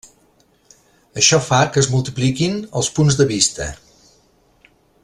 Això fa que es multipliquin els punts de vista.